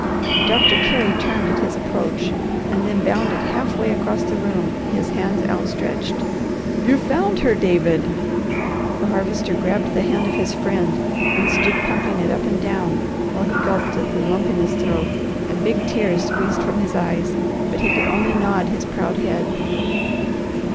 Doctor Carey turned at his approach and then bounded half way across the room, his hands outstretched. "You've found her, David!" The Harvester grabbed the hand of his friend and stood pumping it up and down while he gulped at the lump in his throat, and big tears squeezed from his eyes, but he could only nod his proud head.